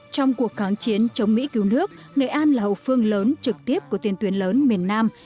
trong cuộc kháng chiến chống mỹ cứu nước nghệ an là hậu phương lớn trực tiếp của tiền tuyến lớn miền nam